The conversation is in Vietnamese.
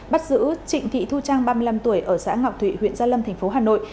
bắt giữ trịnh thị thu trang ba mươi năm tuổi ở xã ngọc thụy huyện gia lâm thành phố hà nội